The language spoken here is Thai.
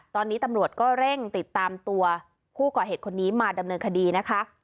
ตอนนี้ตำรวจก็เร่งติดตามตัวผู้ก่อเหตุคนนี้มาดำเนินคดีนะคะ